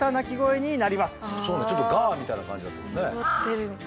ちょっと「ガァ」みたいな感じだったもんね。